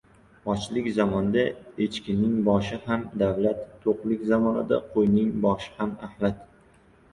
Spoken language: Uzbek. • Ochlik zamonida echkining boshi ham davlat, to‘qlik zamonida qo‘yning boshi ham axlat.